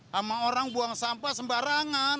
sama orang buang sampah sembarangan